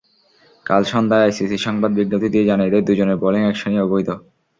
কাল সন্ধ্যায় আইসিসি সংবাদ বিজ্ঞপ্তি দিয়ে জানিয়ে দেয়, দুজনের বোলিং অ্যাকশনই অবৈধ।